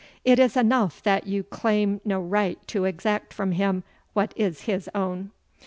It is enough that you claim no right to exact from him what is his own."